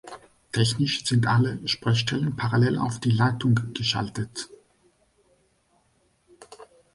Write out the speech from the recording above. Technisch sind alle Sprechstellen parallel auf die Leitung geschaltet.